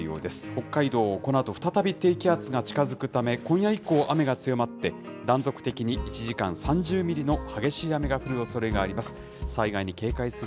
北海道、このあと再び低気圧が近づくため、今夜以降、雨が強まって、断続的に１時間３０ミリの激しい雨が降るおそれがあります。